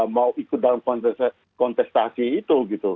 mau ikut dalam kontestasi itu gitu